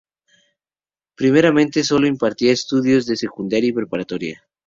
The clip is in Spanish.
Primeramente sólo impartía estudios de secundaria y preparatoria.